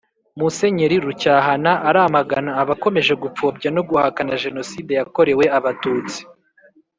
Musenyeri rucyahana aramagana abakomeje gupfobya no guhakana jenoside yakorewe abatutsi